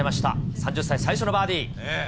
３０歳最初のバーディー。